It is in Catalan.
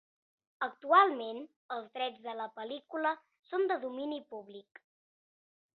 Actualment, els drets de la pel·lícula són de domini públic.